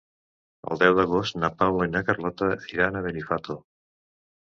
El deu d'agost na Paula i na Carlota iran a Benifato.